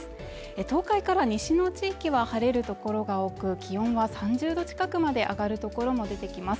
東海から西の地域は晴れるところが多く、気温は３０度近くまで上がるところも出てきます